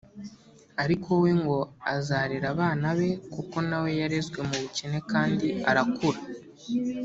ariko we ngo azarera abana be kuko nawe yarezwe mu bukene kandi arakura